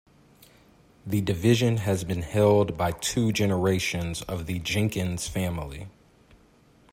The Division has been held by two generations of the Jenkins family.